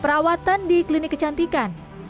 perawatan di klinik kecantikan